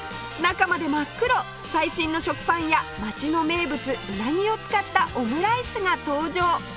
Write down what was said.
中まで真っ黒最新の食パンや街の名物うなぎを使ったオムライスが登場